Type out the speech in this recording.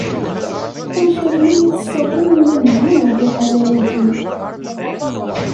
Amek almi i tessawḍem iman-nwen ar liḥala-agi?